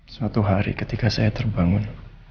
suatu hari ketika saya terbangun